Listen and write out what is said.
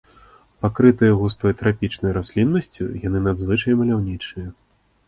Пакрытыя густой трапічнай расліннасцю, яны надзвычай маляўнічыя.